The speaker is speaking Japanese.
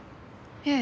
ええ。